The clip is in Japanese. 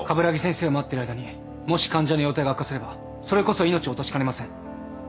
鏑木先生を待ってる間にもし患者の容体が悪化すればそれこそ命を落としかねません。